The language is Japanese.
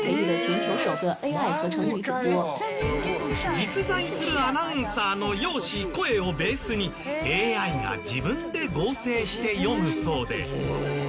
実在するアナウンサーの容姿声をベースにＡＩが自分で合成して読むそうで。